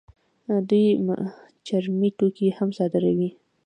دوی چرمي توکي هم صادروي.